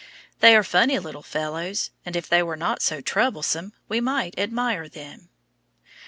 They are funny little fellows, and if they were not so troublesome, we might admire them.